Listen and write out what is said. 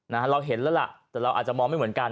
เราเห็นแล้วล่ะแต่เราอาจจะมองไม่เหมือนกัน